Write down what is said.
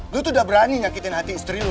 lo tuh udah berani nyakitin hati istri lo